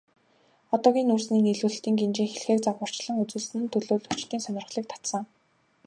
Одоогийн нүүрсний нийлүүлэлтийн гинжин хэлхээг загварчлан үзүүлсэн нь төлөөлөгчдийн сонирхлыг татсан.